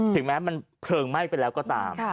ถึงแม้มันเพลิงไหม้ไปแล้วก็ตาม